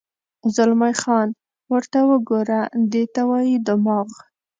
زلمی خان: ورته وګوره، دې ته وایي دماغ.